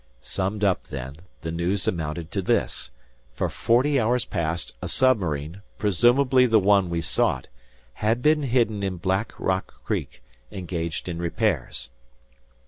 Summed up, then, the news amounted to this: For forty hours past a submarine, presumably the one we sought, had been hidden in Black Rock Creek, engaged in repairs.